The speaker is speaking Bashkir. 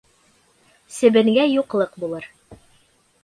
Себенгә юҡлыҡ булыр.